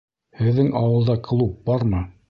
Һеҙҙең ауылда клуб бармы?